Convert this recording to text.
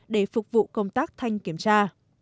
để phục vụ công tác thanh kiểm tra